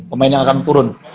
pemain yang akan turun